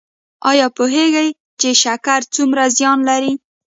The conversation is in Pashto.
ایا پوهیږئ چې شکر څومره زیان لري؟